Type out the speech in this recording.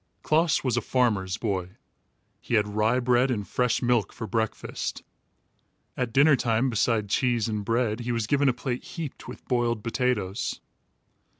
Klaas was a farmer's boy. He had rye bread and fresh milk for breakfast. At dinner time, beside cheese and bread, he was given a plate heaped with boiled potatoes.